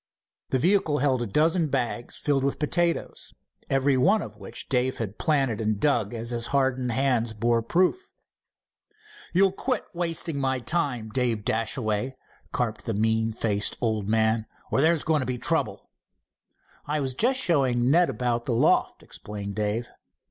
The vehicle held a dozen bags filled with potatoes, every one of which Dave had planted and dug as his hardened hands bore proof. "You'll quit wasting my time, Dave Dashaway," carped the mean faced old man, "or there's going to be trouble." "I was just showing Ned about the loft," explained Dave.